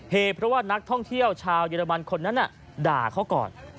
เหตุเพราะว่านักท่องเที่ยวชาวเยอรมันคนนั้นด่าเขาก่อน